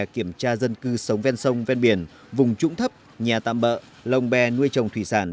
kiểm tra dân cư sống ven sông ven biển vùng trũng thấp nhà tạm bỡ lồng bè nuôi trồng thủy sản